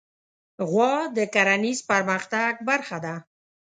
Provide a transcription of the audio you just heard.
غوا د کرهڼیز پرمختګ برخه ده.